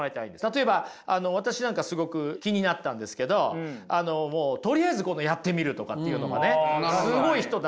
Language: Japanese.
例えば私なんかすごく気になったんですけどとりあえずやってみるとかっていうのもねすごい人だなと。